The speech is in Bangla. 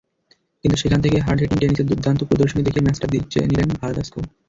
কিন্তু সেখান থেকেই হার্ড-হিটিং টেনিসের দুর্দান্ত প্রদর্শনী দেখিয়ে ম্যাচটা জিতে নিলেন ভার্দাস্কো।